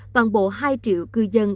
toàn bộ hai triệu cư dân